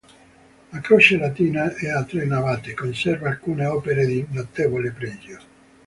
A croce latina e a tre navate, conserva alcune opere di notevole pregio.